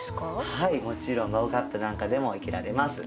はいもちろんマグカップなんかでも生けられます。